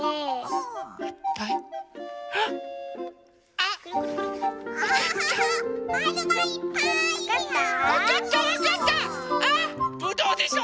あっぶどうでしょ！